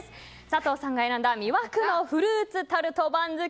佐藤さんが選んだ魅惑のフルーツタルト番付